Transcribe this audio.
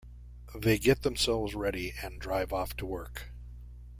They get themselves ready and drive off to work.